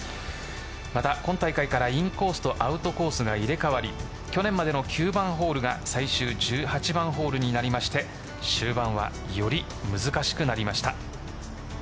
また、今大会からインコースとアウトコースが入れ替わり去年までの９番ホールが最終１８番ホールになりまして終盤はより難しくなりました。